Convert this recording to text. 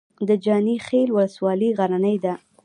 د جاني خیل ولسوالۍ غرنۍ ده